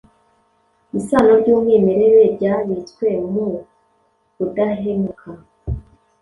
Isano ryumwimerere ryabitswe mu budahemuka